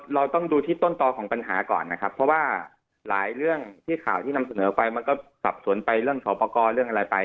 เราต้องดูที่ต้นต่อของปัญหาก่อนนะครับเพราะว่าหลายเรื่องที่ข่าวที่นำเสนอไปมันก็สับสนไปเรื่องสอบประกอบเรื่องอะไรไป